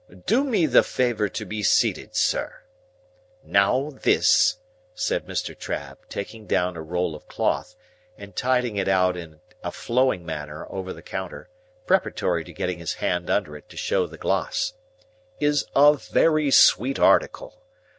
—Do me the favour to be seated, sir. Now, this," said Mr. Trabb, taking down a roll of cloth, and tiding it out in a flowing manner over the counter, preparatory to getting his hand under it to show the gloss, "is a very sweet article.